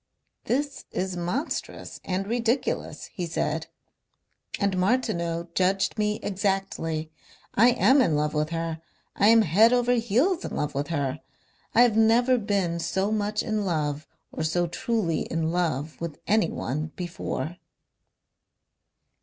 "This is monstrous and ridiculous," he said, "and Martineau judged me exactly. I am in love with her.... I am head over heels in love with her. I have never been so much in love or so truly in love with anyone before."